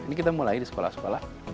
ini kita mulai di sekolah sekolah